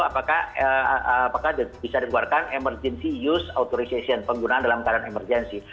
apakah bisa dikeluarkan emergency use authorization penggunaan dalam keadaan emergency